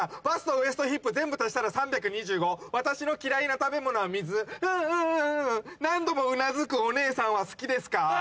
バストウエストヒップ全部足したら３２５私の嫌いな食べ物は水うんうんうん何度もうなずくお姉さんは好きですか？